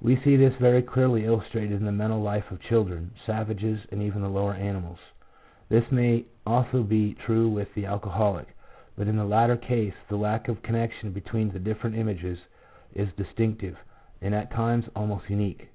2 We see this very clearly illustrated in the mental life of children, savages, and even the lower animals. This may also be true with the alcoholic, but in the latter case the lack of connec tion between the different images is distinctive, and at times almost unique.